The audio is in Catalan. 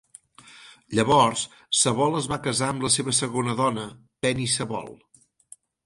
Llavors, Sabol es va casar amb la seva segona dona, Penny Sabol.